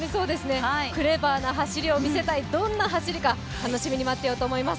クレバーな走りを見せたいどんな走りか楽しみに待っていようと思います。